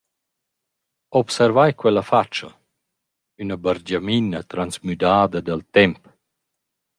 Observai quella fatscha, üna bargiamina transmüdada dal temp.